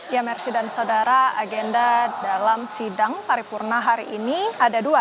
ya mersi dan saudara agenda dalam sidang paripurna hari ini ada dua